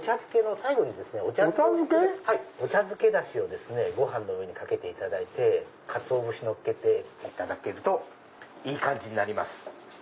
最後にお茶漬けダシをご飯の上にかけていただいてかつお節のっけていただけるといい感じになります。